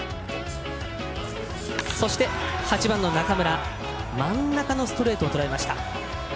８番の中村真ん中のストレートを捉えました。